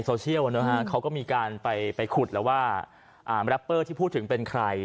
โซเชียลเขาก็มีการไปขุดแล้วว่าแรปเปอร์ที่พูดถึงเป็นใคร